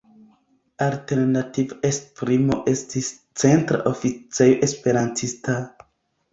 Alternativa esprimo estis "Centra Oficejo Esperantista".